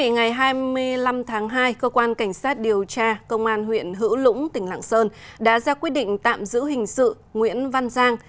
ngày hai mươi năm tháng hai cơ quan cảnh sát điều tra công an huyện hữu lũng tỉnh lạng sơn đã ra quyết định tạm giữ hình sự nguyễn văn giang